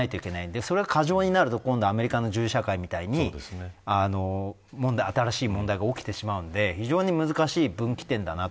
それが過剰になると今度はアメリカの銃社会みたいに新しい問題が起きてしまうんで非常に難しい分岐点だなと。